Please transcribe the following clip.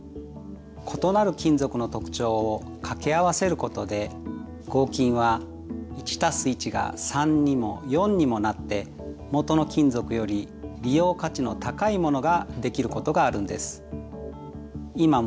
異なる金属の特徴を掛け合わせることで合金は１＋１が３にも４にもなってもとの金属より利用価値の高いものができることがあるんです。